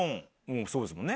そうですもんね